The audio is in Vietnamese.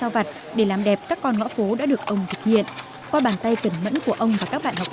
vặt để làm đẹp các con ngõ phố đã được ông thực hiện qua bàn tay cẩn mẫn của ông và các bạn học